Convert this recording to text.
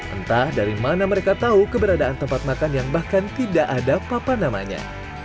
entah dari mana mereka tahu keberadaan tempat makan yang bahkan tidak ada apa apa namanya